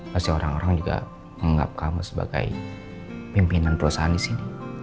pasti orang orang juga menganggap kamu sebagai pimpinan perusahaan di sini